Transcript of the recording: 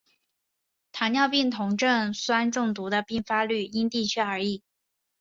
糖尿病酮症酸中毒的病发率因地区而异。